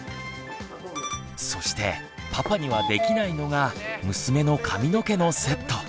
そしてパパにはできないのが「娘の髪の毛のセット」。